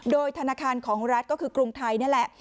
โดยธนาคารของรัฐก็คือกรุงไทยนี่แหละ